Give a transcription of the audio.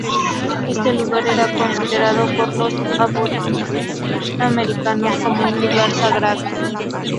Este lugar era considerado por los aborígenes americanos como un lugar sagrado.